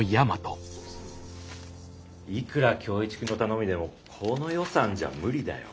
いくら響一くんの頼みでもこの予算じゃ無理だよ。